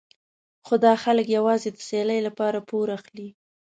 خو دا خلک یوازې د سیالۍ لپاره پور اخلي.